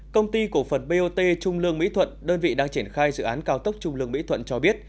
công ty cổ phần bot trung lương mỹ thuận đơn vị đang triển khai dự án cao tốc trung lương mỹ thuận cho biết